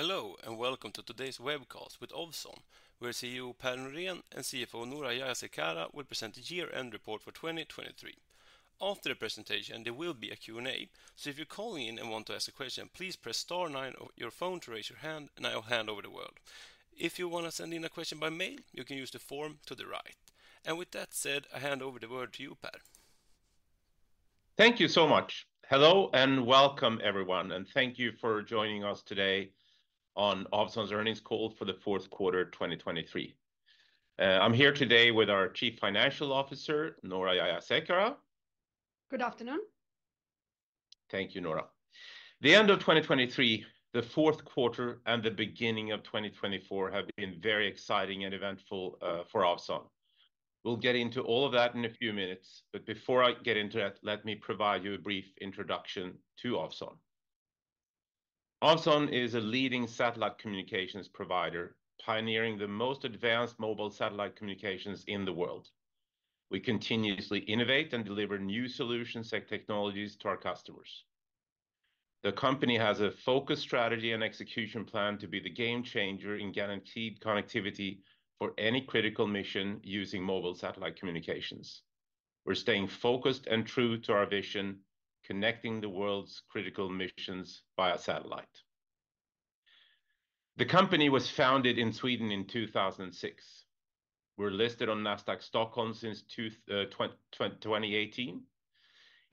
Hello and welcome to today's webcast with Ovzon, where CEO Per Norén and CFO Noora Jayasekara will present the year-end report for 2023. After the presentation, there will be a Q&A, so if you're calling in and want to ask a question, please press star nine on your phone to raise your hand and I'll hand over the word. If you want to send in a question by mail, you can use the form to the right. With that said, I hand over the word to you, Per. Thank you so much. Hello and welcome, everyone, and thank you for joining us today on Ovzon's earnings call for the fourth quarter 2023. I'm here today with our Chief Financial Officer, Noora Jayasekara. Good afternoon. Thank you, Noora. The end of 2023, the fourth quarter, and the beginning of 2024 have been very exciting and eventful for Ovzon. We'll get into all of that in a few minutes, but before I get into that, let me provide you a brief introduction to Ovzon. Ovzon is a leading satellite communications provider, pioneering the most advanced mobile satellite communications in the world. We continuously innovate and deliver new solutions and technologies to our customers. The company has a focused strategy and execution plan to be the game changer in guaranteed connectivity for any critical mission using mobile satellite communications. We're staying focused and true to our vision, connecting the world's critical missions via satellite. The company was founded in Sweden in 2006. We're listed on Nasdaq Stockholm since 2018.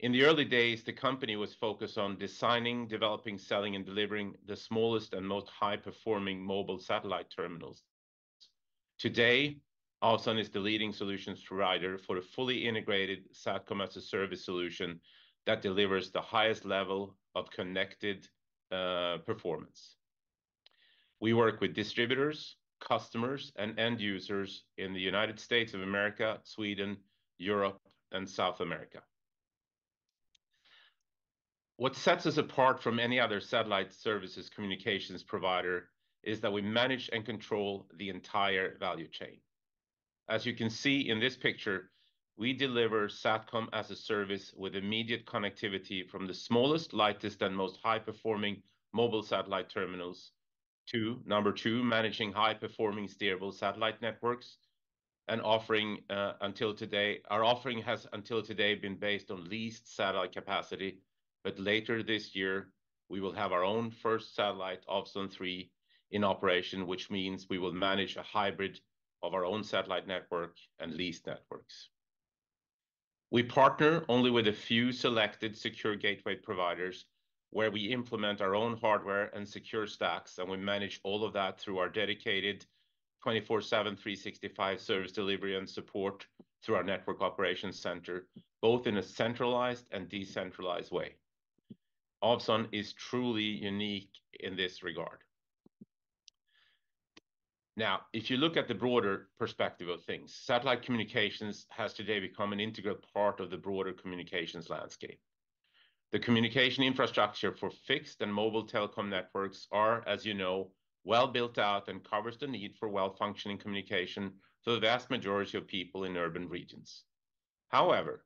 In the early days, the company was focused on designing, developing, selling, and delivering the smallest and most high-performing mobile satellite terminals. Today, Ovzon is the leading solutions provider for a fully integrated Satcom-as-a-Service solution that delivers the highest level of connected performance. We work with distributors, customers, and end users in the United States of America, Sweden, Europe, and South America. What sets us apart from any other satellite services communications provider is that we manage and control the entire value chain. As you can see in this picture, we deliver Satcom-as-a-Service with immediate connectivity from the smallest, lightest, and most high-performing mobile satellite terminals to number two, managing high-performing stable satellite networks and offering until today our offering has until today been based on leased satellite capacity, but later this year, we will have our own first satellite, Ovzon 3, in operation, which means we will manage a hybrid of our own satellite network and leased networks. We partner only with a few selected secure gateway providers where we implement our own hardware and secure stacks, and we manage all of that through our dedicated 24/7, 365 service delivery and support through our network operations center, both in a centralized and decentralized way. Ovzon is truly unique in this regard. Now, if you look at the broader perspective of things, satellite communications has today become an integral part of the broader communications landscape. The communication infrastructure for fixed and mobile telecom networks are, as you know, well built out and covers the need for well-functioning communication for the vast majority of people in urban regions. However,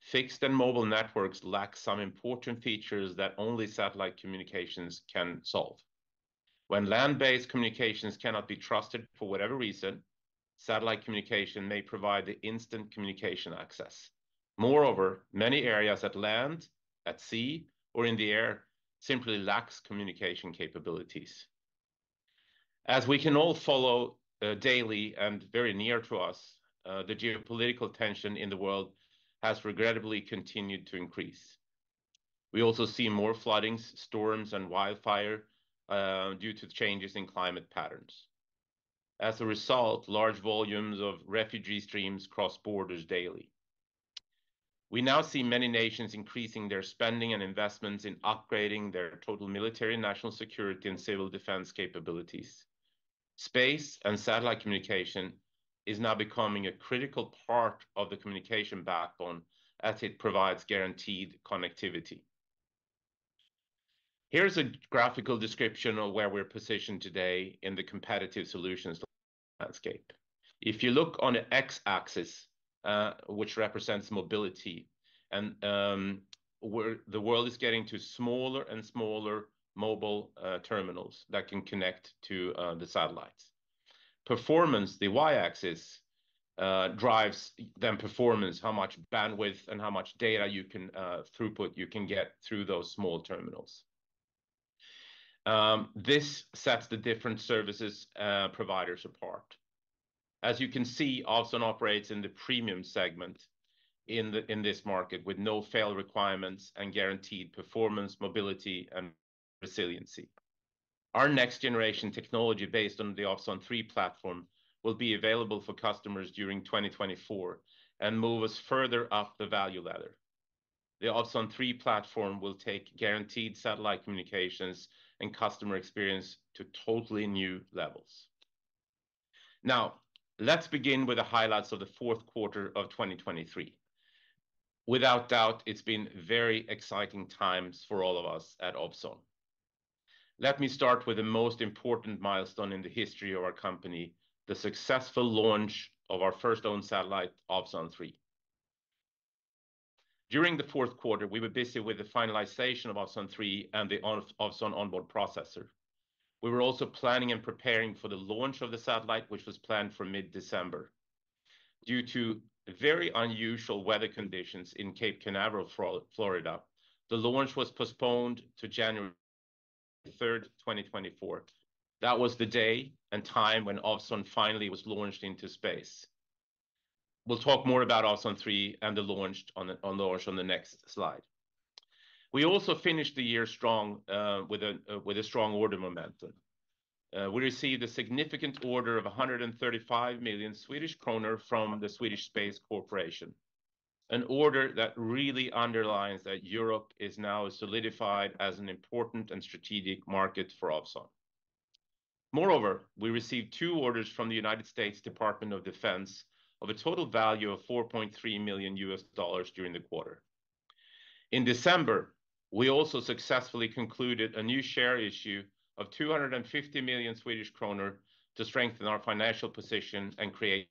fixed and mobile networks lack some important features that only satellite communications can solve. When land-based communications cannot be trusted for whatever reason, satellite communication may provide the instant communication access. Moreover, many areas at land, at sea, or in the air simply lack communication capabilities. As we can all follow daily and very near to us, the geopolitical tension in the world has regrettably continued to increase. We also see more floodings, storms, and wildfire due to changes in climate patterns. As a result, large volumes of refugee streams cross borders daily. We now see many nations increasing their spending and investments in upgrading their total military national security and civil defense capabilities. Space and satellite communication is now becoming a critical part of the communication backbone as it provides guaranteed connectivity. Here's a graphical description of where we're positioned today in the competitive solutions landscape. If you look on the X axis, which represents mobility, and where the world is getting to smaller and smaller mobile terminals that can connect to the satellites. Performance, the Y axis, drives then performance, how much bandwidth and how much data you can throughput you can get through those small terminals. This sets the different services providers apart. As you can see, Ovzon operates in the premium segment in this market with no fail requirements and guaranteed performance, mobility, and resiliency. Our next generation technology based on the Ovzon 3 platform will be available for customers during 2024 and move us further up the value ladder. The Ovzon 3 platform will take guaranteed satellite communications and customer experience to totally new levels. Now, let's begin with the highlights of the fourth quarter of 2023. Without doubt, it's been very exciting times for all of us at Ovzon. Let me start with the most important milestone in the history of our company, the successful launch of our first own satellite, Ovzon 3. During the fourth quarter, we were busy with the finalization of Ovzon 3 and the Ovzon On-Board Processor. We were also planning and preparing for the launch of the satellite, which was planned for mid-December. Due to very unusual weather conditions in Cape Canaveral, Florida, the launch was postponed to January 3rd, 2024. That was the day and time when Ovzon finally was launched into space. We'll talk more about Ovzon 3 and the launch on the next slide. We also finished the year strong with a strong order momentum. We received a significant order of 135 million Swedish kronor from the Swedish Space Corporation. An order that really underlines that Europe is now solidified as an important and strategic market for Ovzon. Moreover, we received two orders from the United States Department of Defense of a total value of $4.3 million during the quarter. In December, we also successfully concluded a new share issue of 250 million Swedish kronor to strengthen our financial position and create.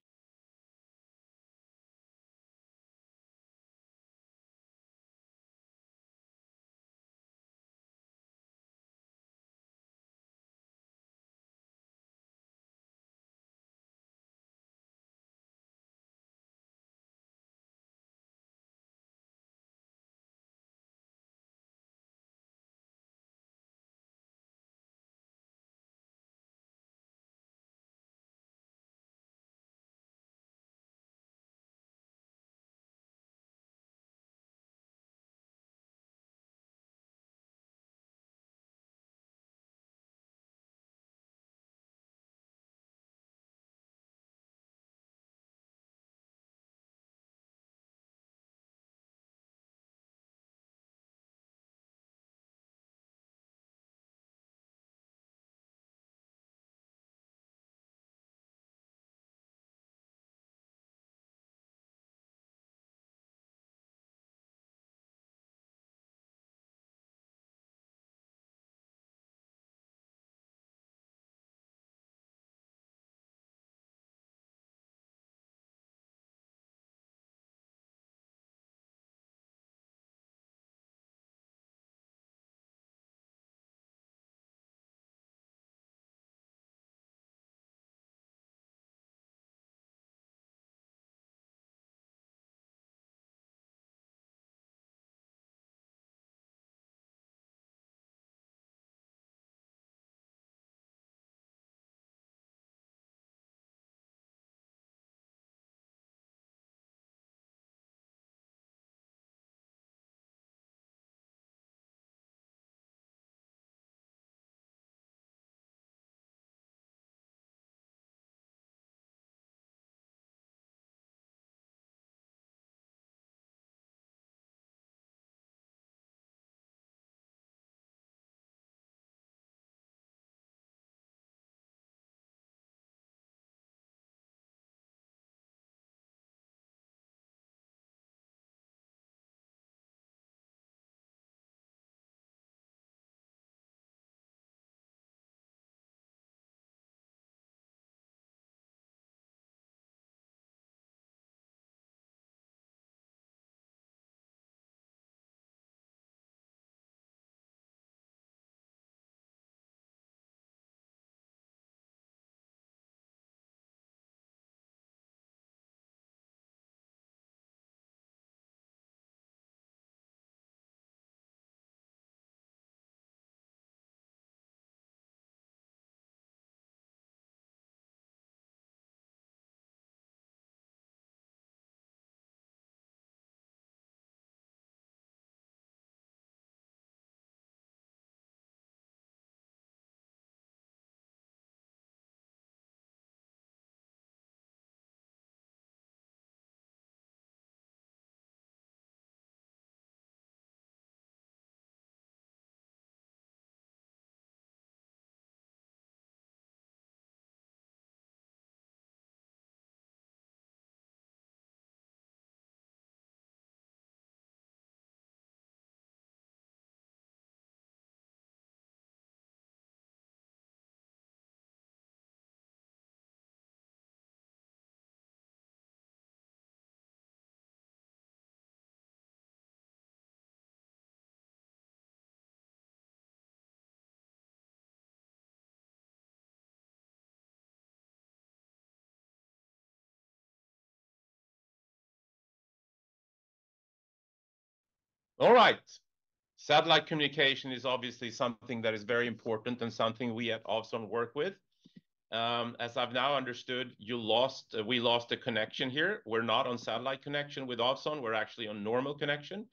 All right. Satellite communication is obviously something that is very important and something we at Ovzon work with. As I've now understood, we lost a connection here. We're not on satellite connection with Ovzon. We're actually on normal connection.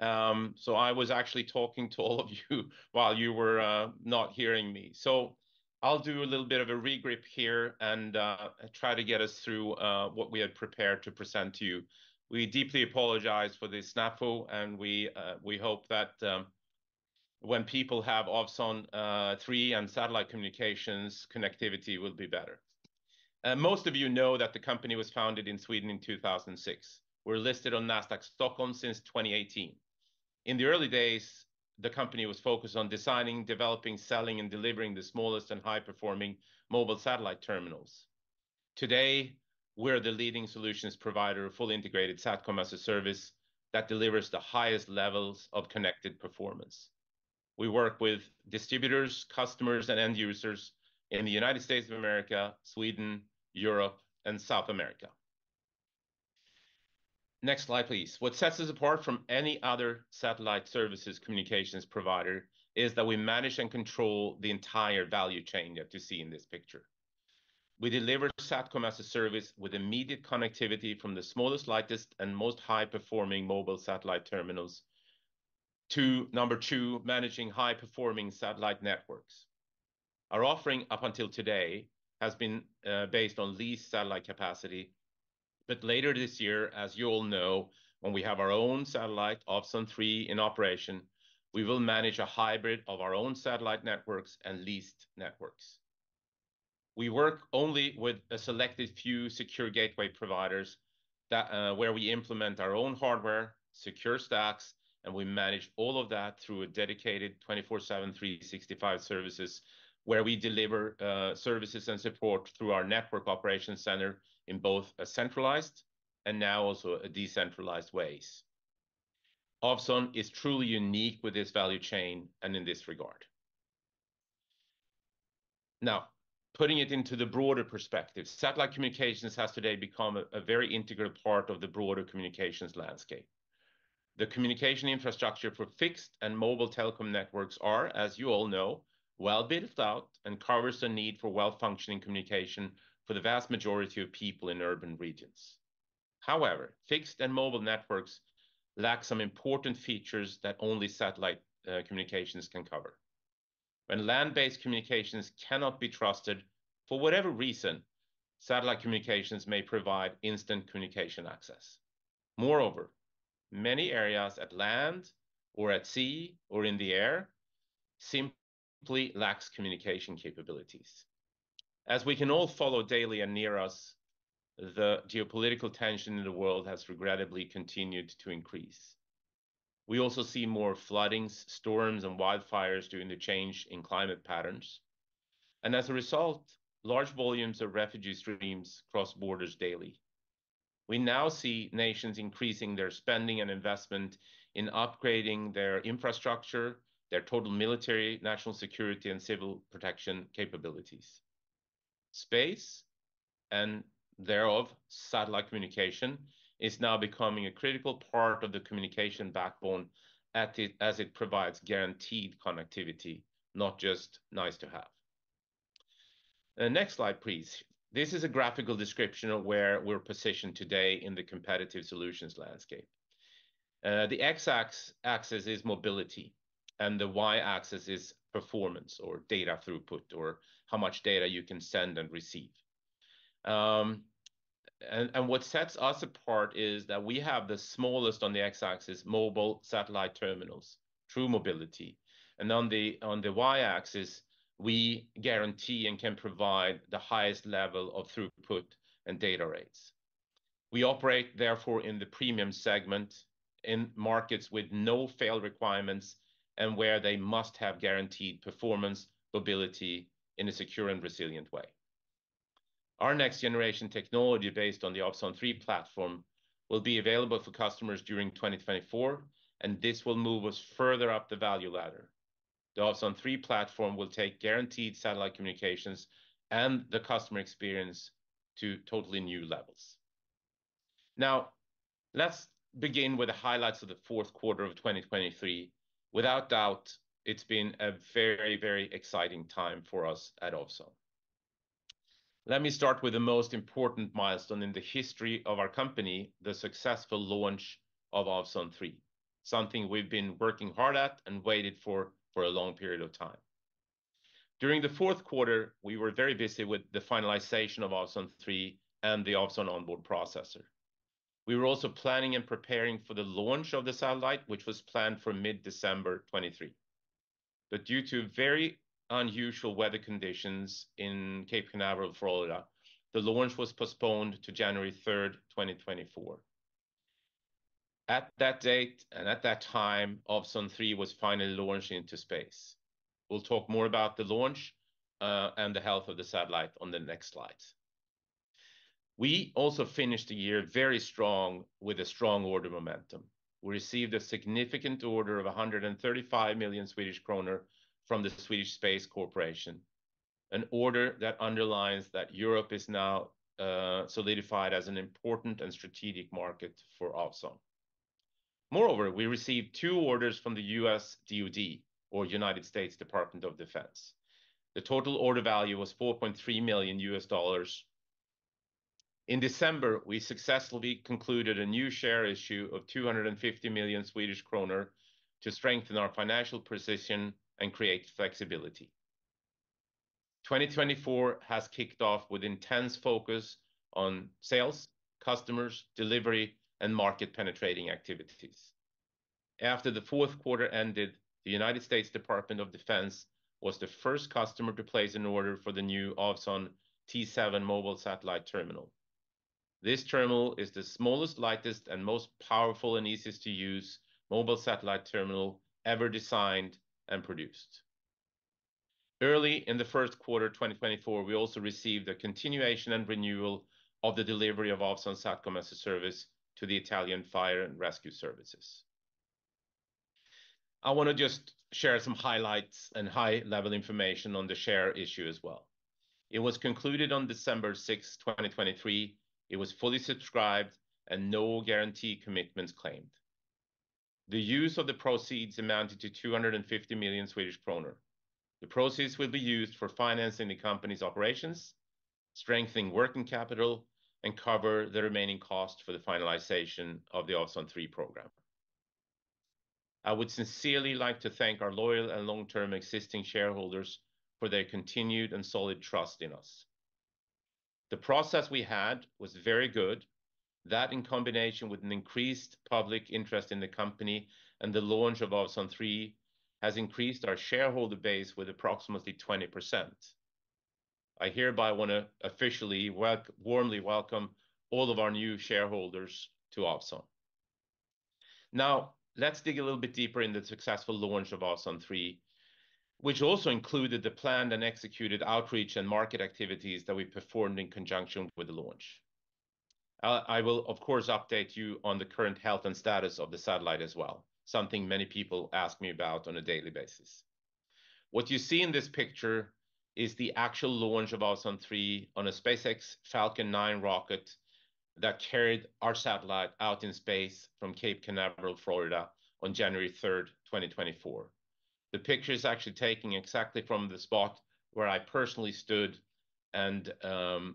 So I was actually talking to all of you while you were not hearing me. So I'll do a little bit of a recap here and try to get us through what we had prepared to present to you. We deeply apologize for the snafu, and we hope that when people have Ovzon 3 and satellite communications, connectivity will be better. Most of you know that the company was founded in Sweden in 2006. We're listed on Nasdaq Stockholm since 2018. In the early days, the company was focused on designing, developing, selling, and delivering the smallest and high-performing mobile satellite terminals. Today, we're the leading solutions provider of fully integrated Satcom-as-a-Service that delivers the highest levels of connected performance. We work with distributors, customers, and end users in the United States of America, Sweden, Europe, and South America. Next slide, please. What sets us apart from any other satellite services communications provider is that we manage and control the entire value chain that you see in this picture. We deliver Satcom-as-a-Service with immediate connectivity from the smallest, lightest, and most high-performing mobile satellite terminals to number two, managing high-performing satellite networks. Our offering up until today has been based on leased satellite capacity. But later this year, as you all know, when we have our own satellite, Ovzon 3, in operation, we will manage a hybrid of our own satellite networks and leased networks. We work only with a selected few secure gateway providers where we implement our own hardware, secure stacks, and we manage all of that through a dedicated 24/7, 365 services where we deliver services and support through our Network operations center in both a centralized and now also a decentralized ways. Ovzon is truly unique with this value chain and in this regard. Now, putting it into the broader perspective, satellite communications has today become a very integral part of the broader communications landscape. The communication infrastructure for fixed and mobile telecom networks are, as you all know, well built out and covers the need for well-functioning communication for the vast majority of people in urban regions. However, fixed and mobile networks lack some important features that only satellite communications can cover. When land-based communications cannot be trusted, for whatever reason, satellite communications may provide instant communication access. Moreover, many areas at land or at sea or in the air simply lack communication capabilities. As we can all follow daily and near us, the geopolitical tension in the world has regrettably continued to increase. We also see more flooding, storms, and wildfires during the change in climate patterns. As a result, large volumes of refugee streams cross borders daily. We now see nations increasing their spending and investment in upgrading their infrastructure, their total military national security and civil protection capabilities. Space and thereof satellite communication is now becoming a critical part of the communication backbone as it provides guaranteed connectivity, not just nice to have. Next slide, please. This is a graphical description of where we're positioned today in the competitive solutions landscape. The x-axis is mobility. The y-axis is performance or data throughput or how much data you can send and receive. And what sets us apart is that we have the smallest on the X axis mobile satellite terminals, true mobility. And on the Y axis, we guarantee and can provide the highest level of throughput and data rates. We operate therefore in the premium segment in markets with no fail requirements and where they must have guaranteed performance, mobility in a secure and resilient way. Our next generation technology based on the Ovzon 3 platform will be available for customers during 2024. And this will move us further up the value ladder. The Ovzon 3 platform will take guaranteed satellite communications and the customer experience to totally new levels. Now, let's begin with the highlights of the fourth quarter of 2023. Without doubt, it's been a very, very exciting time for us at Ovzon. Let me start with the most important milestone in the history of our company, the successful launch of Ovzon 3. Something we've been working hard at and waited for a long period of time. During the fourth quarter, we were very busy with the finalization of Ovzon 3 and the Ovzon On-Board Processor. We were also planning and preparing for the launch of the satellite, which was planned for mid-December 2023. But due to very unusual weather conditions in Cape Canaveral, Florida, the launch was postponed to January 3rd, 2024. At that date and at that time, Ovzon 3 was finally launched into space. We'll talk more about the launch and the health of the satellite on the next slides. We also finished the year very strong with a strong order momentum. We received a significant order of 135 million Swedish kronor from the Swedish Space Corporation. An order that underlines that Europe is now solidified as an important and strategic market for Ovzon. Moreover, we received two orders from the U.S. DoD or United States Department of Defense. The total order value was $4.3 million. In December, we successfully concluded a new share issue of 250 million Swedish kronor to strengthen our financial position and create flexibility. 2024 has kicked off with intense focus on sales, customers, delivery, and market penetrating activities. After the fourth quarter ended, the United States Department of Defense was the first customer to place an order for the new Ovzon T7 mobile satellite terminal. This terminal is the smallest, lightest, and most powerful and easiest to use mobile satellite terminal ever designed and produced. Early in the first quarter of 2024, we also received a continuation and renewal of the delivery of Ovzon Satcom-as-a-Service to the Italian fire and rescue services. I want to just share some highlights and high-level information on the share issue as well. It was concluded on December 6th, 2023. It was fully subscribed and no guarantee commitments claimed. The use of the proceeds amounted to 250 million Swedish kronor. The proceeds will be used for financing the company's operations, strengthening working capital, and cover the remaining costs for the finalization of the Ovzon 3 program. I would sincerely like to thank our loyal and long-term existing shareholders for their continued and solid trust in us. The process we had was very good. That in combination with an increased public interest in the company and the launch of Ovzon 3 has increased our shareholder base with approximately 20%. I hereby want to officially warmly welcome all of our new shareholders to Ovzon. Now, let's dig a little bit deeper in the successful launch of Ovzon 3, which also included the planned and executed outreach and market activities that we performed in conjunction with the launch. I will, of course, update you on the current health and status of the satellite as well, something many people ask me about on a daily basis. What you see in this picture is the actual launch of Ovzon 3 on a SpaceX Falcon 9 rocket that carried our satellite out in space from Cape Canaveral, Florida, on January 3rd, 2024. The picture is actually taken exactly from the spot where I personally stood and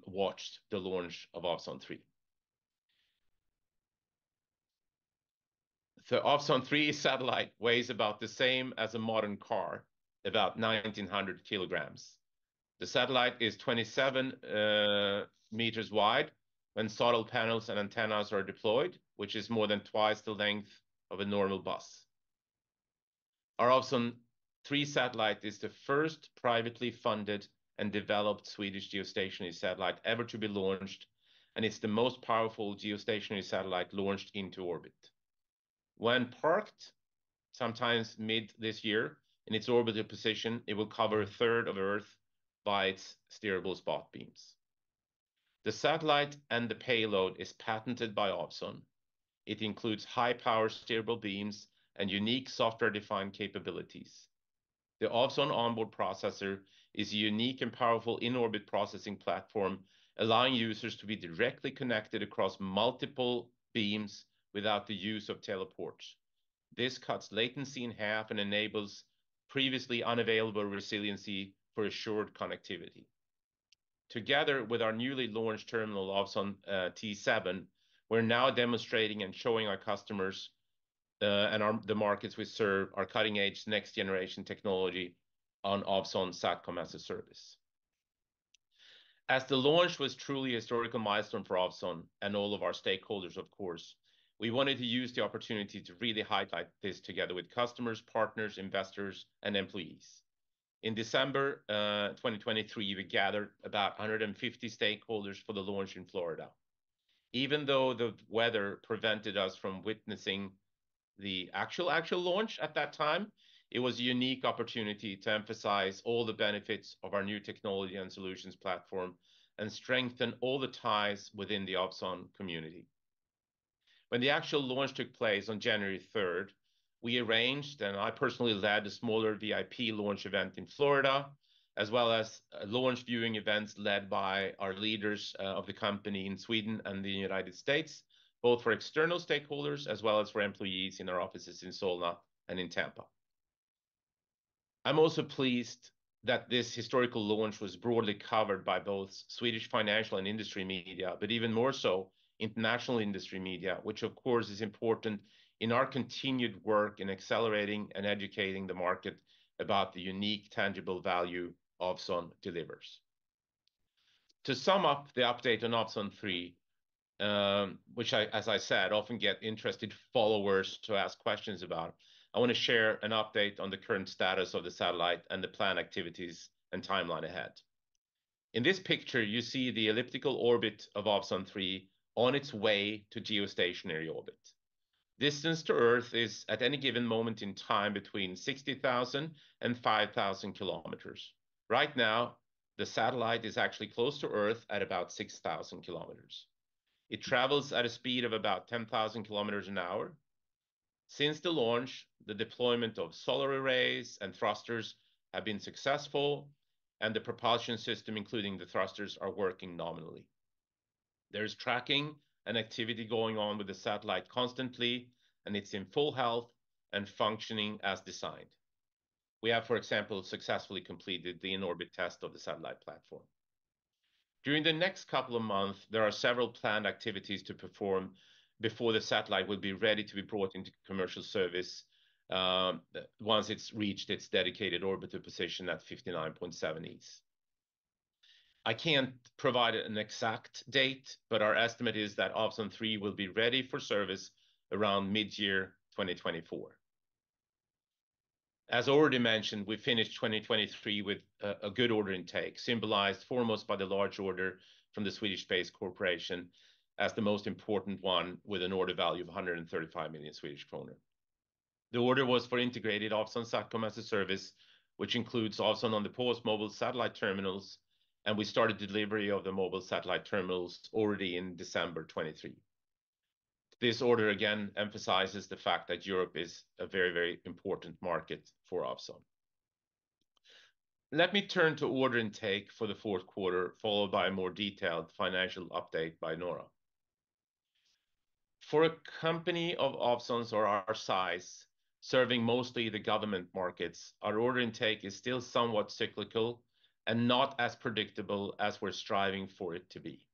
watched the launch of Ovzon 3. The Ovzon 3 satellite weighs about the same as a modern car, about 1,900 kilograms. The satellite is 27 meters wide when solar panels and antennas are deployed, which is more than twice the length of a normal bus. Our Ovzon 3 satellite is the first privately funded and developed Swedish geostationary satellite ever to be launched, and it's the most powerful geostationary satellite launched into orbit. When parked, sometimes mid this year in its orbital position, it will cover a third of Earth by its steerable spot beams. The satellite and the payload are patented by Ovzon. It includes high-power steerable beams and unique software-defined capabilities. The Ovzon On-Board Processor is a unique and powerful in-orbit processing platform allowing users to be directly connected across multiple beams without the use of teleports. This cuts latency in half and enables previously unavailable resiliency for assured connectivity. Together with our newly launched terminal, Ovzon T7, we're now demonstrating and showing our customers and the markets we serve our cutting-edge next-generation technology on Ovzon Satcom-as-a-Service. As the launch was truly a historical milestone for Ovzon and all of our stakeholders, of course, we wanted to use the opportunity to really highlight this together with customers, partners, investors, and employees. In December 2023, we gathered about 150 stakeholders for the launch in Florida. Even though the weather prevented us from witnessing the actual launch at that time, it was a unique opportunity to emphasize all the benefits of our new technology and solutions platform and strengthen all the ties within the Ovzon community. When the actual launch took place on January 3rd, we arranged and I personally led a smaller VIP launch event in Florida, as well as launch viewing events led by our leaders of the company in Sweden and the United States, both for external stakeholders as well as for employees in our offices in Solna and in Tampa. I'm also pleased that this historical launch was broadly covered by both Swedish financial and industry media, but even more so, international industry media, which, of course, is important in our continued work in accelerating and educating the market about the unique tangible value Ovzon delivers. To sum up the update on Ovzon 3, which I, as I said, often get interested followers to ask questions about, I want to share an update on the current status of the satellite and the planned activities and timeline ahead. In this picture, you see the elliptical orbit of Ovzon 3 on its way to Geostationary orbit. Distance to Earth is at any given moment in time between 60,000 and 5,000 kilometers. Right now, the satellite is actually close to Earth at about 6,000 kilometers. It travels at a speed of about 10,000 kilometers an hour. Since the launch, the deployment of solar arrays and thrusters has been successful, and the propulsion system, including the thrusters, is working nominally. There is tracking and activity going on with the satellite constantly, and it's in full health and functioning as designed. We have, for example, successfully completed the in-orbit test of the satellite platform. During the next couple of months, there are several planned activities to perform before the satellite will be ready to be brought into commercial service once it's reached its dedicated orbital position at 59.7 east. I can't provide an exact date, but our estimate is that Ovzon 3 will be ready for service around mid-year 2024. As already mentioned, we finished 2023 with a good order intake, symbolized foremost by the large order from the Swedish Space Corporation as the most important one with an order value of 135 million Swedish kronor. The order was for integrated Ovzon SATCOM-as-a-Service, which includes Ovzon OTM mobile satellite terminals, and we started delivery of the mobile satellite terminals already in December 2023. This order again emphasizes the fact that Europe is a very, very important market for Ovzon. Let me turn to order intake for the fourth quarter, followed by a more detailed financial update by Noora. For a company of Ovzon's or our size, serving mostly the government markets, our order intake is still somewhat cyclical and not as predictable as we're striving for it to be.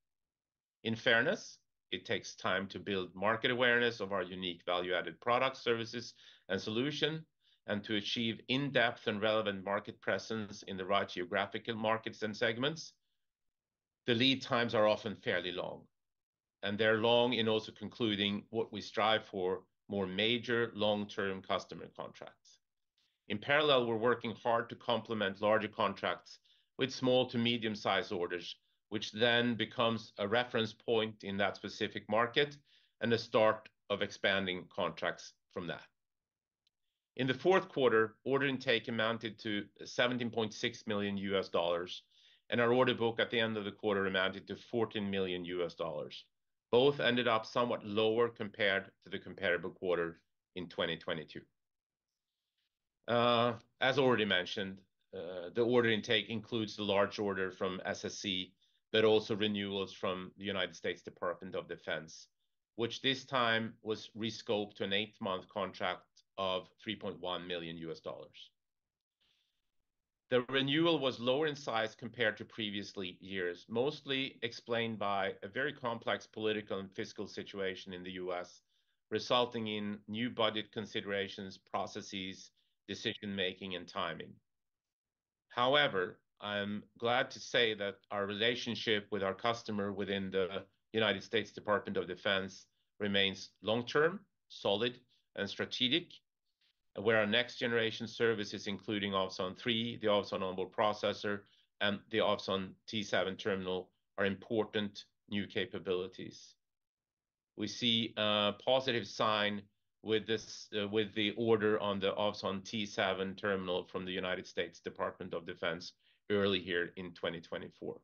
In fairness, it takes time to build market awareness of our unique value-added products, services, and solutions, and to achieve in-depth and relevant market presence in the right geographical markets and segments. The lead times are often fairly long. They're long in also concluding what we strive for: more major long-term customer contracts. In parallel, we're working hard to complement larger contracts with small to medium-sized orders, which then becomes a reference point in that specific market and a start of expanding contracts from that. In the fourth quarter, order intake amounted to $17.6 million, and our order book at the end of the quarter amounted to $14 million. Both ended up somewhat lower compared to the comparable quarter in 2022. As already mentioned, the order intake includes the large order from SSC, but also renewals from the United States Department of Defense, which this time was rescoped to an eight-month contract of $3.1 million. The renewal was lower in size compared to previous years, mostly explained by a very complex political and fiscal situation in the U.S., resulting in new budget considerations, processes, decision-making, and timing. However, I'm glad to say that our relationship with our customer within the United States Department of Defense remains long-term, solid, and strategic, where our next-generation services, including Ovzon 3, the Ovzon On-Board Processor, and the Ovzon T7 terminal, are important new capabilities. We see a positive sign with the order on the Ovzon T7 terminal from the United States Department of Defense early here in 2024.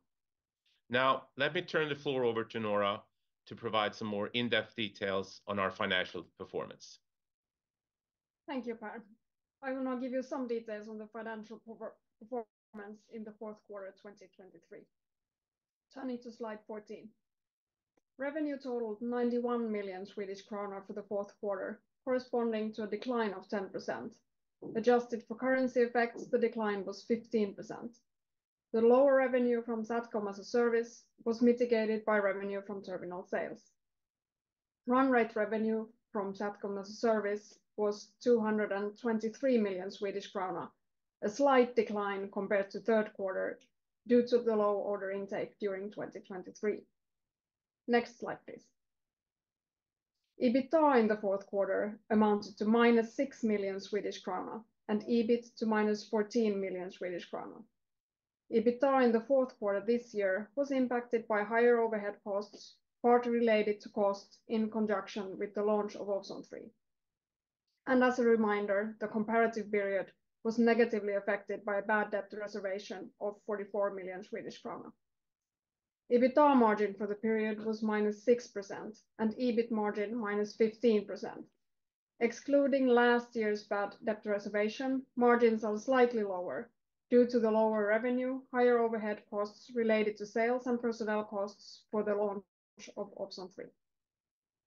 Now, let me turn the floor over to Noora to provide some more in-depth details on our financial performance. Thank you, Per. I will now give you some details on the financial performance in the fourth quarter 2023. Turning to slide 14. Revenue totaled 91 million Swedish kronor for the fourth quarter, corresponding to a decline of 10%. Adjusted for currency effects, the decline was 15%. The lower revenue from Satcom-as-a-Service was mitigated by revenue from terminal sales. Run rate revenue from Satcom-as-a-Service was 223 million Swedish kronor, a slight decline compared to third quarter due to the low order intake during 2023. Next slide, please. EBITDA in the fourth quarter amounted to -6 million Swedish krona and EBIT to -SEK 14 million. EBITDA in the fourth quarter this year was impacted by higher overhead costs, partly related to costs in conjunction with the launch of Ovzon 3. As a reminder, the comparative period was negatively affected by a bad debt reservation of 44 million Swedish krona. EBITDA margin for the period was -6% and EBIT margin -15%. Excluding last year's bad debt reservation, margins are slightly lower due to the lower revenue, higher overhead costs related to sales, and personnel costs for the launch of Ovzon 3.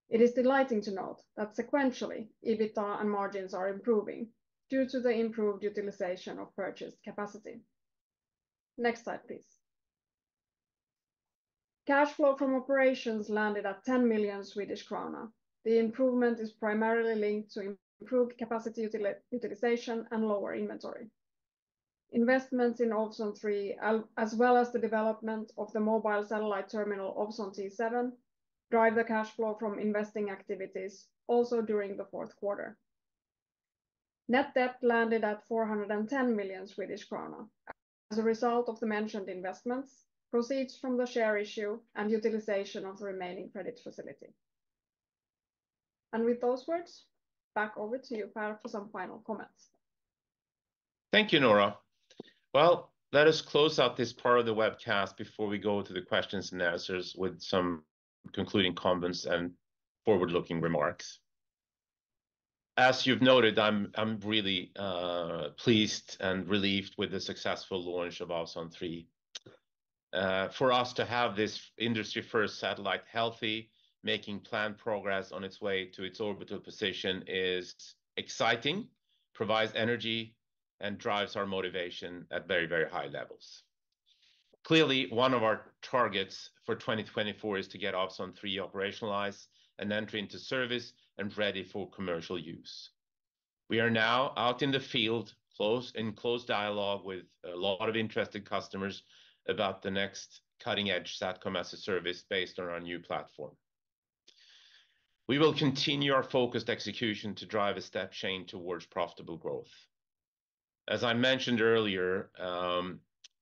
It is delighting to note that sequentially, EBITDA and margins are improving due to the improved utilization of purchased capacity. Next slide, please. Cash flow from operations landed at 10 million Swedish krona. The improvement is primarily linked to improved capacity utilization and lower inventory. Investments in Ovzon 3, as well as the development of the mobile satellite terminal Ovzon T7, drive the cash flow from investing activities also during the fourth quarter. Net debt landed at 410 million Swedish krona as a result of the mentioned investments, proceeds from the share issue, and utilization of the remaining credit facility. With those words, back over to you, Per, for some final comments. Thank you, Noora. Well, let us close out this part of the webcast before we go to the questions and answers with some concluding comments and forward-looking remarks. As you've noted, I'm really pleased and relieved with the successful launch of Ovzon 3. For us to have this industry-first satellite healthy, making planned progress on its way to its orbital position is exciting, provides energy, and drives our motivation at very, very high levels. Clearly, one of our targets for 2024 is to get Ovzon 3 operationalized and entry into service and ready for commercial use. We are now out in the field, in close dialogue with a lot of interested customers about the next cutting-edge Satcom-as-a-Service based on our new platform. We will continue our focused execution to drive a step chain towards profitable growth. As I mentioned earlier,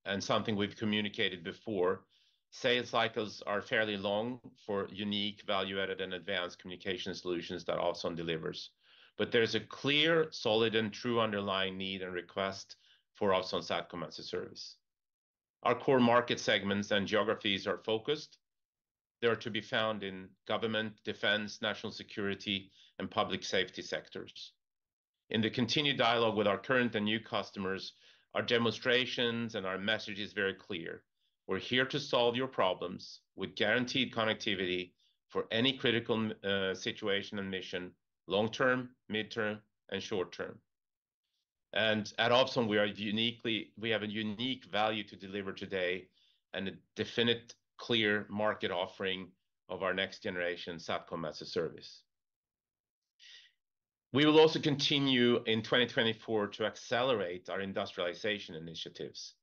and something we've communicated before, sales cycles are fairly long for unique value-added and advanced communication solutions that Ovzon delivers. But there's a clear, solid, and true underlying need and request for Ovzon Satcom-as-a-Service. Our core market segments and geographies are focused. They are to be found in government, defense, national security, and public safety sectors. In the continued dialogue with our current and new customers, our demonstrations and our message is very clear. We're here to solve your problems with guaranteed connectivity for any critical situation and mission, long-term, mid-term, and short-term. And at Ovzon, we have a unique value to deliver today and a definite, clear market offering of our next-generation Satcom-as-a-Service. We will also continue in 2024 to accelerate our industrialization initiatives.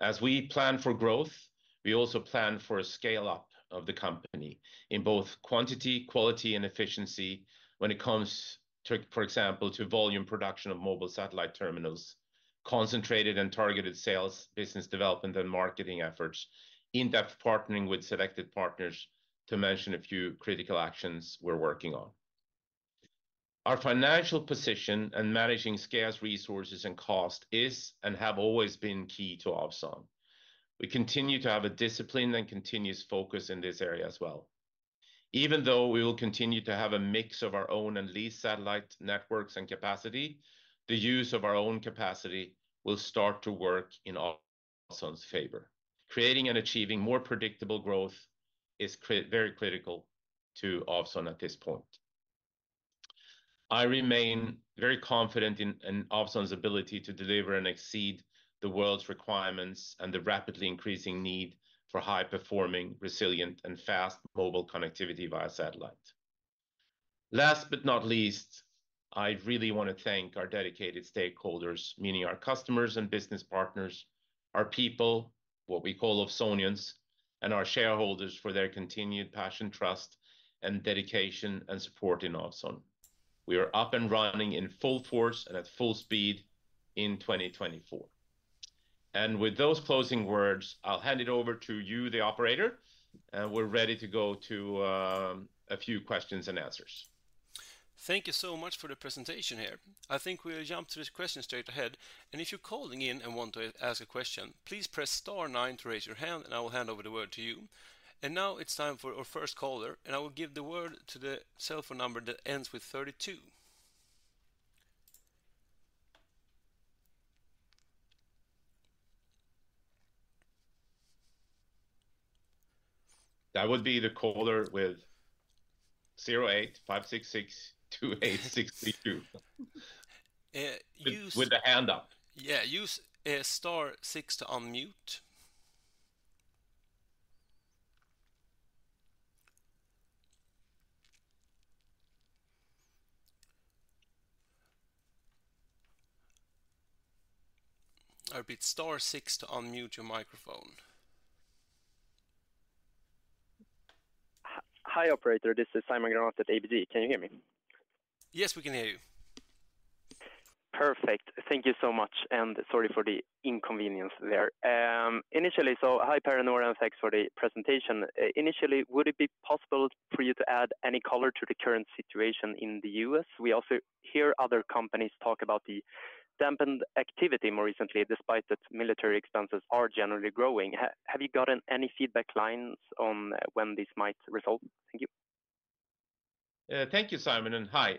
As we plan for growth, we also plan for a scale-up of the company in both quantity, quality, and efficiency when it comes to, for example, to volume production of mobile satellite terminals, concentrated and targeted sales, business development, and marketing efforts, in-depth partnering with selected partners, to mention a few critical actions we're working on. Our financial position and managing scale resources and cost is and have always been key to Ovzon. We continue to have a discipline and continuous focus in this area as well. Even though we will continue to have a mix of our own and leased satellite networks and capacity, the use of our own capacity will start to work in Ovzon's favor. Creating and achieving more predictable growth is very critical to Ovzon at this point. I remain very confident in Ovzon's ability to deliver and exceed the world's requirements and the rapidly increasing need for high-performing, resilient, and fast mobile connectivity via satellite. Last but not least, I really want to thank our dedicated stakeholders, meaning our customers and business partners, our people, what we call Ovzonians, and our shareholders for their continued passion, trust, dedication, and support in Ovzon. We are up and running in full force and at full speed in 2024. With those closing words, I'll hand it over to you, the operator. We're ready to go to a few questions and answers. Thank you so much for the presentation here. I think we'll jump to this question straight ahead. If you're calling in and want to ask a question, please press star nine to raise your hand, and I will hand over the word to you. Now it's time for our first caller, and I will give the word to the cell phone number that ends with 32. That would be the caller with 08 566 28 632. Use the. With the hand up. Yeah, use star six to unmute. Or press star six to unmute your microphone. Hi, operator. This is Simon Granath at ABG. Can you hear me? Yes, we can hear you. Perfect. Thank you so much, and sorry for the inconvenience there. Initially, so hi, Per and Noora, and thanks for the presentation. Initially, would it be possible for you to add any color to the current situation in the U.S.? We also hear other companies talk about the dampened activity more recently, despite that military expenses are generally growing. Have you gotten any feedback lines on when this might result? Thank you. Thank you, Simon, and hi.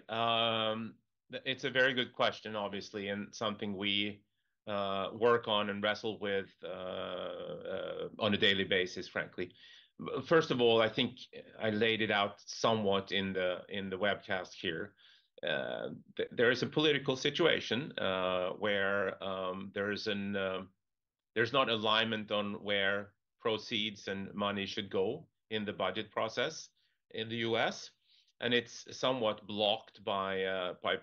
It's a very good question, obviously, and something we work on and wrestle with on a daily basis, frankly. First of all, I think I laid it out somewhat in the webcast here. There is a political situation where there's not alignment on where proceeds and money should go in the budget process in the U.S. It's somewhat blocked by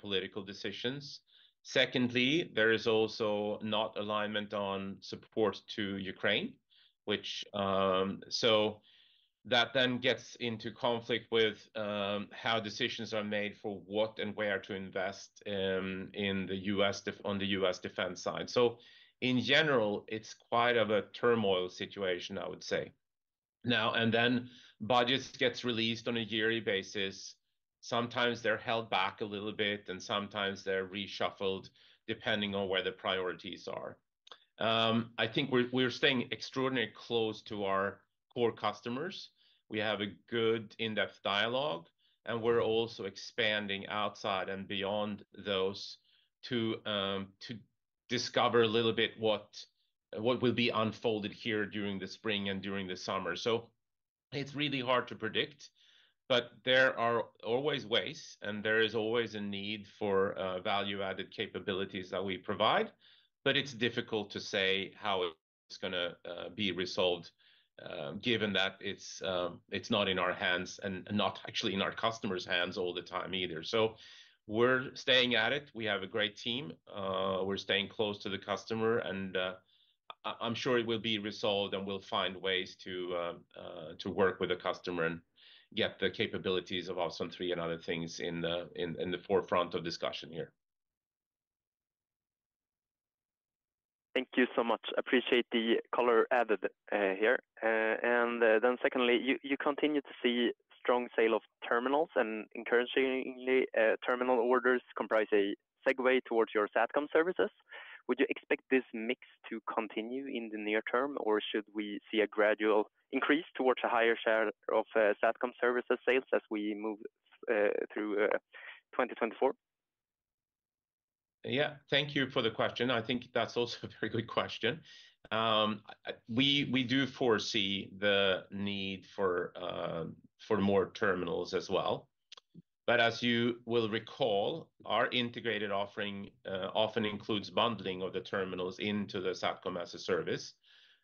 political decisions. Secondly, there is also not alignment on support to Ukraine, which so that then gets into conflict with how decisions are made for what and where to invest in the U.S. on the U.S. defense side. In general, it's quite of a turmoil situation, I would say. Now, and then budgets get released on a yearly basis. Sometimes they're held back a little bit, and sometimes they're reshuffled depending on where the priorities are. I think we're staying extraordinarily close to our core customers. We have a good in-depth dialogue, and we're also expanding outside and beyond those to discover a little bit what will be unfolded here during the spring and during the summer. So it's really hard to predict. But there are always ways, and there is always a need for value-added capabilities that we provide. But it's difficult to say how it's going to be resolved, given that it's not in our hands and not actually in our customers' hands all the time either. So we're staying at it. We have a great team. We're staying close to the customer, and I'm sure it will be resolved, and we'll find ways to work with the customer and get the capabilities of Ovzon 3 and other things in the forefront of discussion here. Thank you so much. Appreciate the color added here. Then secondly, you continue to see strong sale of terminals, and encouragingly, terminal orders comprise a segue towards your satcom services. Would you expect this mix to continue in the near term, or should we see a gradual increase towards a higher share of satcom services sales as we move through 2024? Yeah, thank you for the question. I think that's also a very good question. We do foresee the need for more terminals as well. But as you will recall, our integrated offering often includes bundling of the terminals into the Satcom-as-a-Service.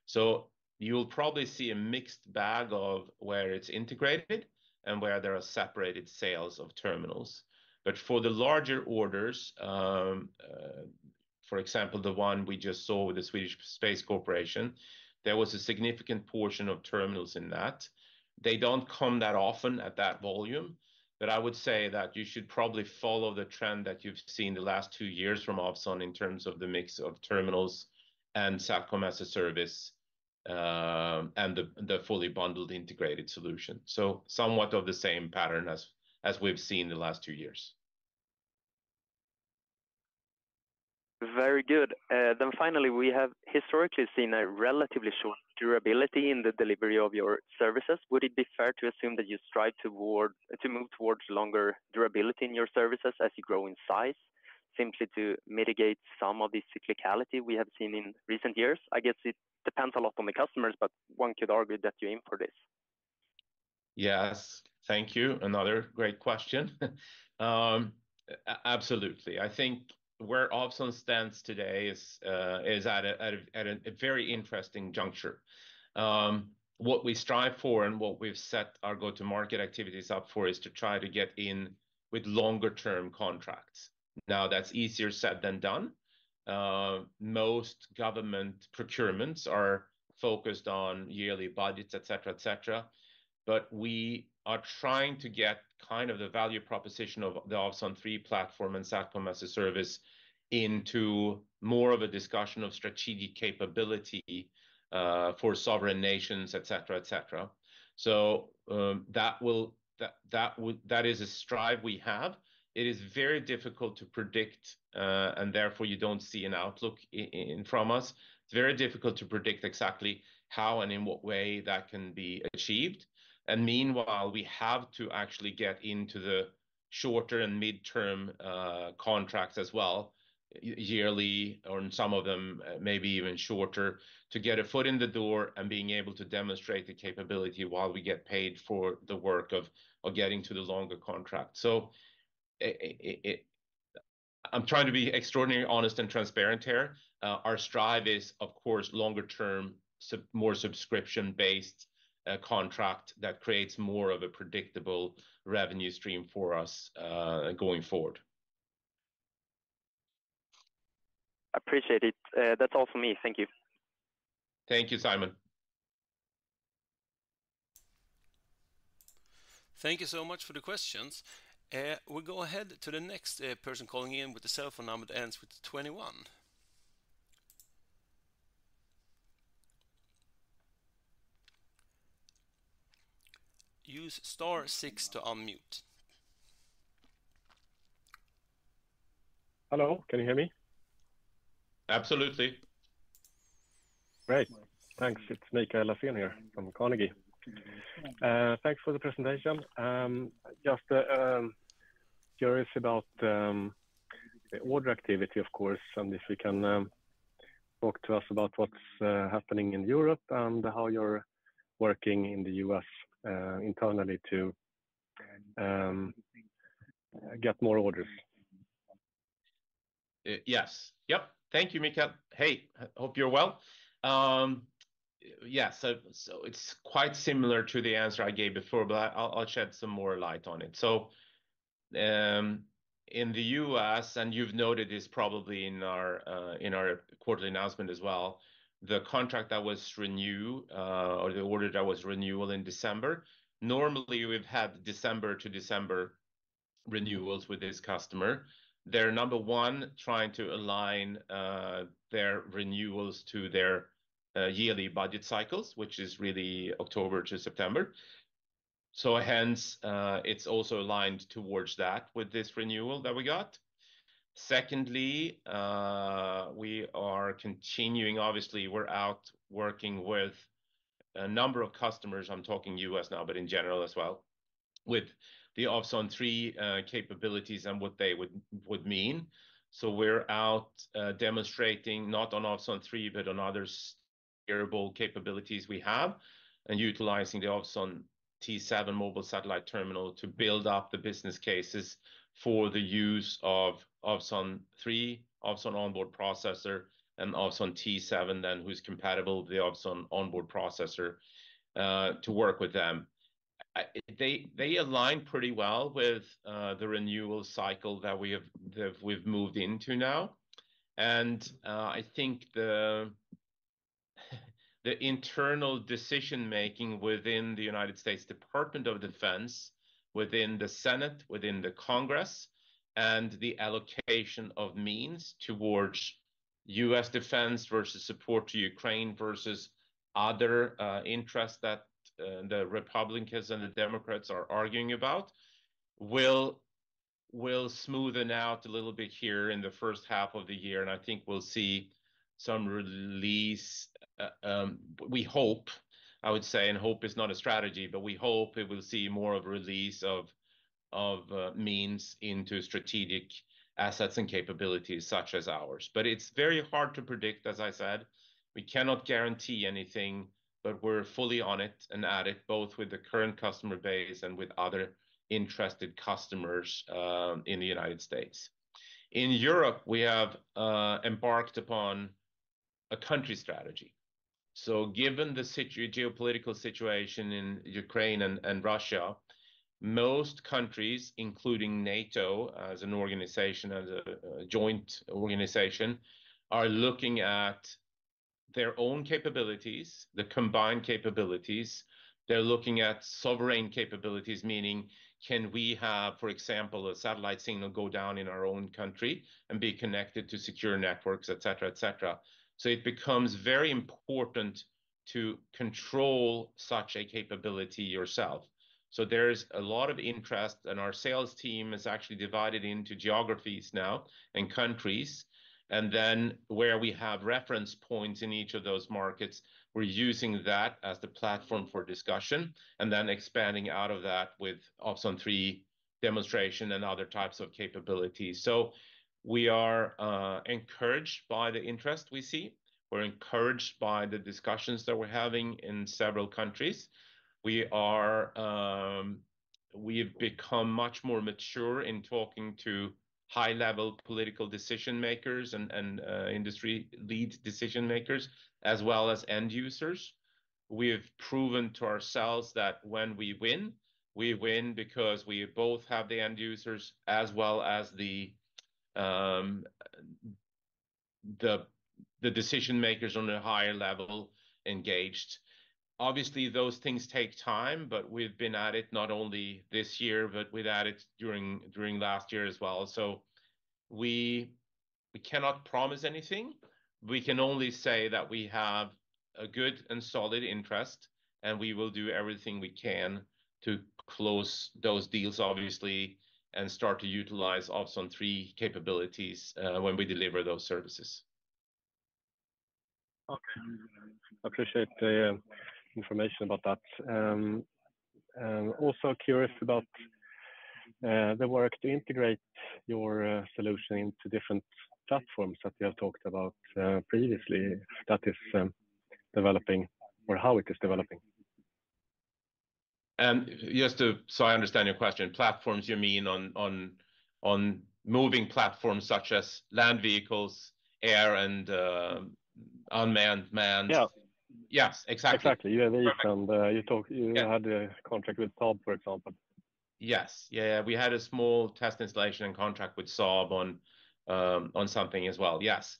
So you'll probably see a mixed bag of where it's integrated and where there are separated sales of terminals. But for the larger orders, for example, the one we just saw with the Swedish Space Corporation, there was a significant portion of terminals in that. They don't come that often at that volume. But I would say that you should probably follow the trend that you've seen the last two years from Ovzon in terms of the mix of terminals and Satcom-as-a-Service and the fully bundled integrated solution. So somewhat of the same pattern as we've seen the last two years. Very good. Then finally, we have historically seen a relatively short durability in the delivery of your services. Would it be fair to assume that you strive towards to move towards longer durability in your services as you grow in size, simply to mitigate some of the cyclicality we have seen in recent years? I guess it depends a lot on the customers, but one could argue that you're in for this. Yes, thank you. Another great question. Absolutely. I think where Ovzon stands today is at a very interesting juncture. What we strive for and what we've set our go-to-market activities up for is to try to get in with longer-term contracts. Now, that's easier said than done. Most government procurements are focused on yearly budgets, etc., etc. But we are trying to get kind of the value proposition of the Ovzon 3 platform and Satcom-as-a-Service into more of a discussion of strategic capability for sovereign nations, etc., etc. So that is a strive we have. It is very difficult to predict, and therefore you don't see an outlook from us. It's very difficult to predict exactly how and in what way that can be achieved. Meanwhile, we have to actually get into the shorter and mid-term contracts as well, yearly, or in some of them, maybe even shorter, to get a foot in the door and being able to demonstrate the capability while we get paid for the work of getting to the longer contract. I'm trying to be extraordinarily honest and transparent here. Our strive is, of course, longer-term, more subscription-based contract that creates more of a predictable revenue stream for us going forward. Appreciate it. That's all from me. Thank you. Thank you, Simon. Thank you so much for the questions. We'll go ahead to the next person calling in with the cell phone number that ends with 21. Use star six to unmute. Hello. Can you hear me? Absolutely. Great. Thanks. It's Mikael Laséen here from Carnegie. Thanks for the presentation. Just curious about the order activity, of course, and if you can talk to us about what's happening in Europe and how you're working in the U.S. internally to get more orders. Yes. Yep. Thank you, Mikael. Hey, hope you're well. Yes, so it's quite similar to the answer I gave before, but I'll shed some more light on it. So in the US, and you've noted this probably in our quarterly announcement as well, the contract that was renewed or the order that was renewal in December, normally, we've had December to December renewals with this customer. They're, number one, trying to align their renewals to their yearly budget cycles, which is really October to September. So hence, it's also aligned towards that with this renewal that we got. Secondly, we are continuing, obviously, we're out working with a number of customers. I'm talking US now, but in general as well, with the Ovzon 3 capabilities and what they would mean. So we're out demonstrating not on Ovzon 3, but on other capabilities we have and utilizing the Ovzon T7 mobile satellite terminal to build up the business cases for the use of Ovzon 3, Ovzon On-Board Processor, and Ovzon T7 then, who's compatible with the Ovzon On-Board Processor to work with them. They align pretty well with the renewal cycle that we've moved into now. And I think the internal decision-making within the United States Department of Defense, within the Senate, within the Congress, and the allocation of means towards U.S. defense versus support to Ukraine versus other interests that the Republicans and the Democrats are arguing about will smoothen out a little bit here in the first half of the year. I think we'll see some release, we hope, I would say, and hope is not a strategy, but we hope it will see more of a release of means into strategic assets and capabilities such as ours. It's very hard to predict, as I said. We cannot guarantee anything, but we're fully on it and at it, both with the current customer base and with other interested customers in the United States. In Europe, we have embarked upon a country strategy. Given the geopolitical situation in Ukraine and Russia, most countries, including NATO as an organization, as a joint organization, are looking at their own capabilities, the combined capabilities. They're looking at sovereign capabilities, meaning can we have, for example, a satellite signal go down in our own country and be connected to secure networks, etc., etc. It becomes very important to control such a capability yourself. There's a lot of interest, and our sales team is actually divided into geographies now and countries. Where we have reference points in each of those markets, we're using that as the platform for discussion and then expanding out of that with Ovzon 3 demonstration and other types of capabilities. We are encouraged by the interest we see. We're encouraged by the discussions that we're having in several countries. We've become much more mature in talking to high-level political decision-makers and industry-leading decision-makers, as well as end users. We've proven to ourselves that when we win, we win because we both have the end users as well as the decision-makers on a higher level engaged. Obviously, those things take time, but we've been at it not only this year, but we've had it during last year as well. We cannot promise anything. We can only say that we have a good and solid interest, and we will do everything we can to close those deals, obviously, and start to utilize Ovzon 3 capabilities when we deliver those services. Okay. Appreciate the information about that. Also curious about the work to integrate your solution into different platforms that you have talked about previously that is developing or how it is developing? Just so I understand your question, platforms, you mean on moving platforms such as land vehicles, air, and unmanned manned? Yes. Yes, exactly. Exactly. You had a contract with Saab, for example. Yes. Yeah, yeah. We had a small test installation and contract with Saab on something as well. Yes.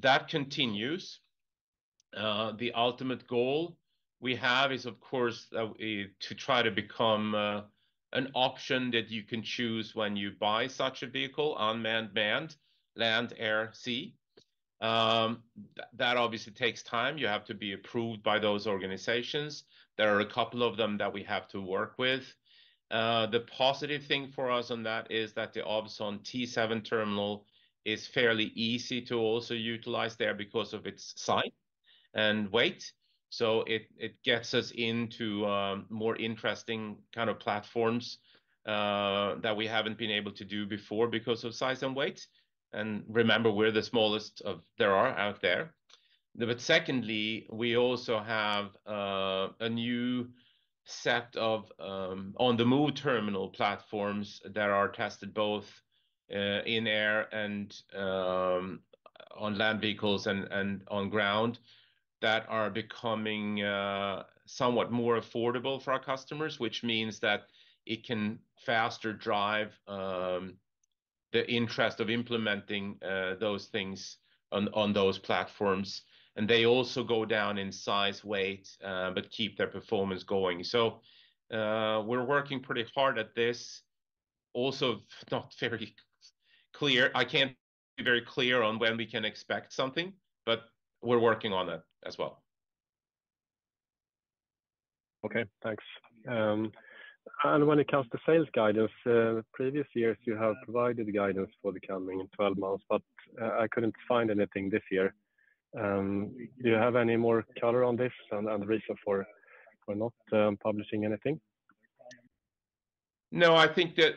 That continues. The ultimate goal we have is, of course, to try to become an option that you can choose when you buy such a vehicle, unmanned manned, land, air, sea. That obviously takes time. You have to be approved by those organizations. There are a couple of them that we have to work with. The positive thing for us on that is that the Ovzon T7 terminal is fairly easy to also utilize there because of its size and weight. So it gets us into more interesting kind of platforms that we haven't been able to do before because of size and weight. And remember, we're the smallest of there are out there. But secondly, we also have a new set of on-the-move terminal platforms that are tested both in air and on land vehicles and on ground that are becoming somewhat more affordable for our customers, which means that it can faster drive the interest of implementing those things on those platforms. And they also go down in size, weight, but keep their performance going. So we're working pretty hard at this. Also, not very clear. I can't be very clear on when we can expect something, but we're working on that as well. Okay. Thanks. When it comes to sales guidance, previous years, you have provided guidance for the coming 12 months, but I couldn't find anything this year. Do you have any more color on this and the reason for not publishing anything? No, I think that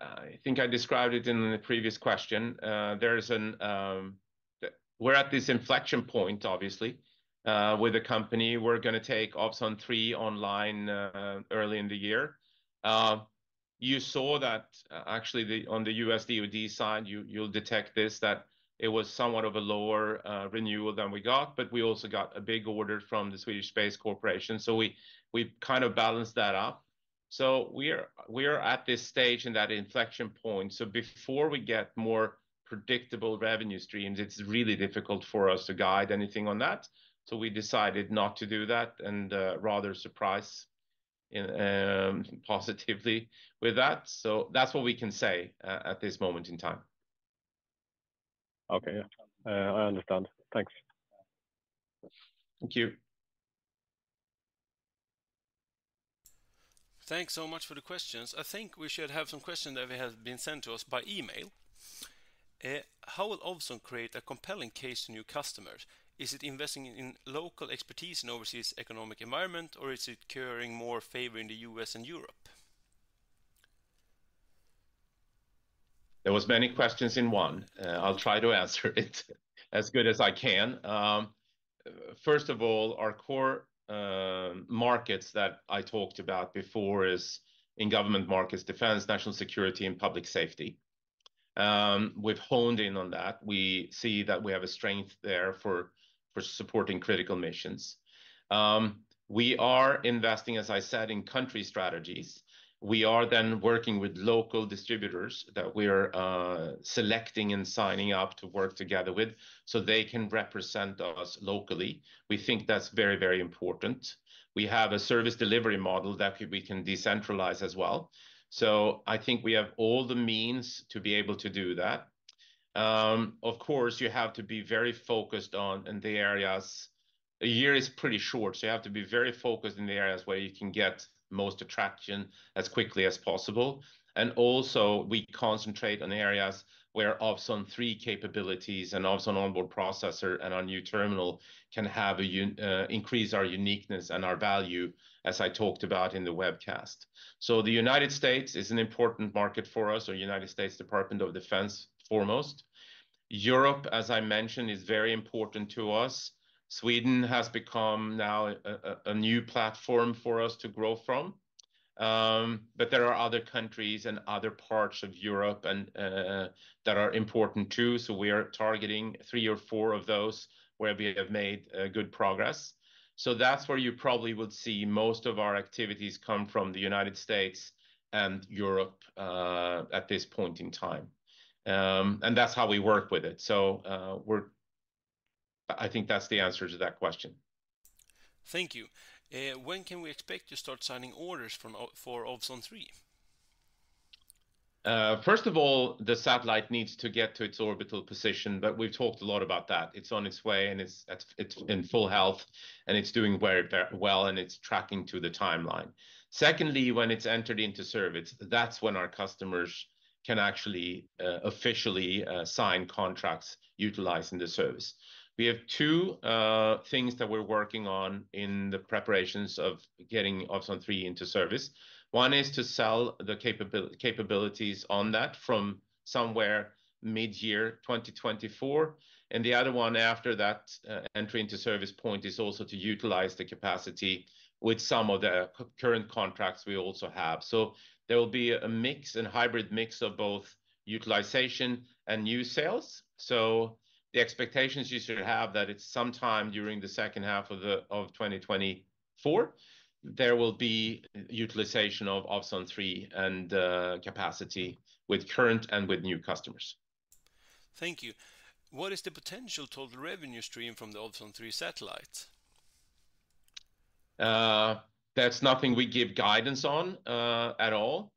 I think I described it in the previous question. We're at this inflection point, obviously, with the company. We're going to take Ovzon 3 online early in the year. You saw that actually on the U.S. DoD side, you'll detect this, that it was somewhat of a lower renewal than we got. But we also got a big order from the Swedish Space Corporation. So we've kind of balanced that up. So we're at this stage in that inflection point. So before we get more predictable revenue streams, it's really difficult for us to guide anything on that. So we decided not to do that and rather surprise positively with that. So that's what we can say at this moment in time. Okay. I understand. Thanks. Thank you. Thanks so much for the questions. I think we should have some questions that have been sent to us by email. How will Ovzon create a compelling case to new customers? Is it investing in local expertise in overseas economic environment, or is it currying more favor in the US and Europe? There were many questions in one. I'll try to answer it as good as I can. First of all, our core markets that I talked about before are in government markets, defense, national security, and public safety. We've honed in on that. We see that we have a strength there for supporting critical missions. We are investing, as I said, in country strategies. We are then working with local distributors that we're selecting and signing up to work together with so they can represent us locally. We think that's very, very important. We have a service delivery model that we can decentralize as well. So I think we have all the means to be able to do that. Of course, you have to be very focused on the areas. A year is pretty short. So you have to be very focused in the areas where you can get most attraction as quickly as possible. And also, we concentrate on areas where Ovzon 3 capabilities and Ovzon On-Board Processor and our new terminal can increase our uniqueness and our value, as I talked about in the webcast. So the United States is an important market for us, or United States Department of Defense, foremost. Europe, as I mentioned, is very important to us. Sweden has become now a new platform for us to grow from. But there are other countries and other parts of Europe that are important too. So we are targeting three or four of those where we have made good progress. So that's where you probably would see most of our activities come from the United States and Europe at this point in time. And that's how we work with it. I think that's the answer to that question. Thank you. When can we expect to start signing orders for Ovzon 3? First of all, the satellite needs to get to its orbital position, but we've talked a lot about that. It's on its way, and it's in full health, and it's doing very well, and it's tracking to the timeline. Secondly, when it's entered into service, that's when our customers can actually officially sign contracts utilizing the service. We have two things that we're working on in the preparations of getting Ovzon 3 into service. One is to sell the capabilities on that from somewhere mid-year 2024. The other one after that entry into service point is also to utilize the capacity with some of the current contracts we also have. There will be a mix and hybrid mix of both utilization and new sales. The expectations you should have that it's sometime during the second half of 2024, there will be utilization of Ovzon 3 and capacity with current and with new customers. Thank you. What is the potential total revenue stream from the Ovzon 3 satellites? That's nothing we give guidance on at all.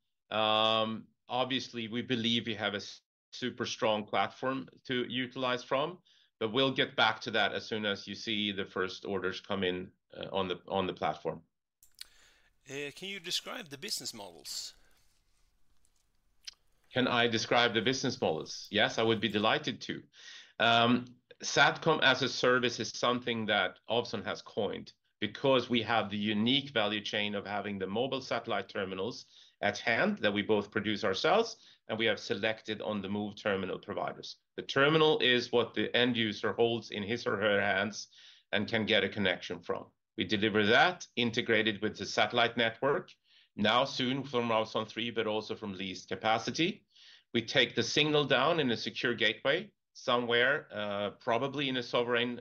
Obviously, we believe we have a super strong platform to utilize from. But we'll get back to that as soon as you see the first orders come in on the platform. Can you describe the business models? Can I describe the business models? Yes, I would be delighted to. Satcom-as-a-Service is something that Ovzon has coined because we have the unique value chain of having the mobile satellite terminals at hand that we both produce ourselves, and we have selected on-the-move terminal providers. The terminal is what the end user holds in his or her hands and can get a connection from. We deliver that integrated with the satellite network now soon from Ovzon 3, but also from leased capacity. We take the signal down in a secure gateway somewhere, probably in a sovereign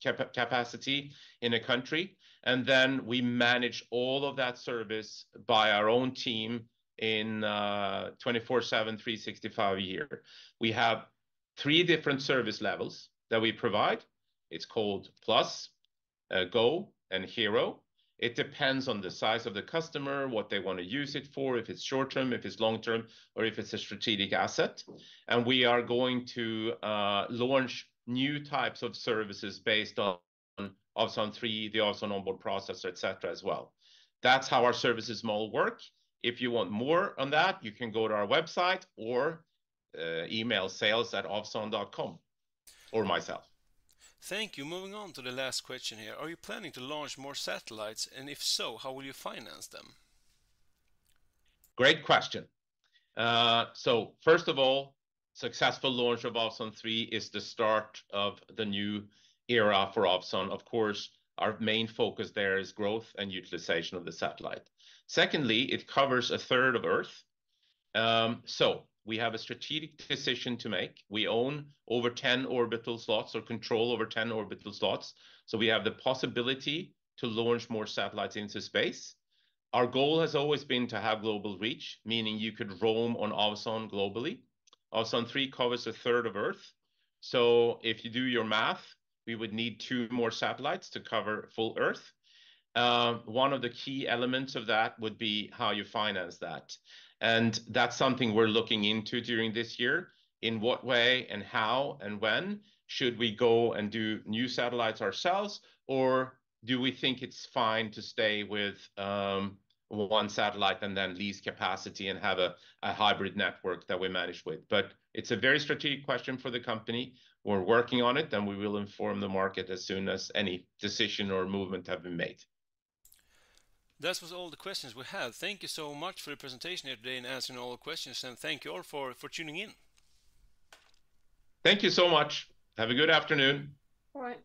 capacity in a country. Then we manage all of that service by our own team 24/7, 365 a year. We have three different service levels that we provide. It's called PLUS, GO, and HERO. It depends on the size of the customer, what they want to use it for, if it's short-term, if it's long-term, or if it's a strategic asset. And we are going to launch new types of services based on Ovzon 3, the Ovzon On-Board Processor, etc., as well. That's how our services model work. If you want more on that, you can go to our website or email sales@ovzon.com or myself. Thank you. Moving on to the last question here. Are you planning to launch more satellites? And if so, how will you finance them? Great question. So first of all, successful launch of Ovzon 3 is the start of the new era for Ovzon. Of course, our main focus there is growth and utilization of the satellite. Secondly, it covers a third of Earth. So we have a strategic decision to make. We own over 10 orbital slots or control over 10 orbital slots. So we have the possibility to launch more satellites into space. Our goal has always been to have global reach, meaning you could roam on Ovzon globally. Ovzon 3 covers a third of Earth. So if you do your math, we would need two more satellites to cover full Earth. One of the key elements of that would be how you finance that. And that's something we're looking into during this year. In what way and how and when should we go and do new satellites ourselves, or do we think it's fine to stay with one satellite and then lease capacity and have a hybrid network that we manage with? It's a very strategic question for the company. We're working on it, and we will inform the market as soon as any decision or movement have been made. That was all the questions we have. Thank you so much for your presentation here today and answering all the questions. Thank you all for tuning in. Thank you so much. Have a good afternoon. All right.